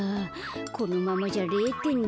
このままじゃ０てんだ。